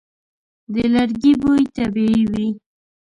د لرګي بوی طبیعي وي.